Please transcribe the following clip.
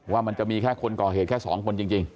ว่ามันจะมีแค่คนก่อเหตุแค่๒คนจริง